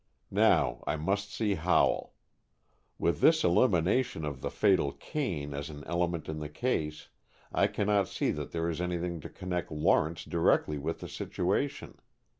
Now I must see Howell. With this elimination of the fatal cane as an element in the case, I cannot see that there is anything to connect Lawrence directly with the situation.